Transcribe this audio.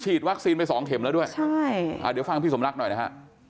วัคซีนไปสองเข็มแล้วด้วยใช่อ่าเดี๋ยวฟังพี่สมรักหน่อยนะฮะ